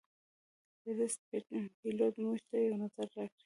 ټرسټ پیلوټ - موږ ته یو نظر راکړئ